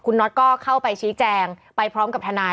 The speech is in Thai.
คุณน็อตก็เข้าไปชี้แจงไปพร้อมกับทนาย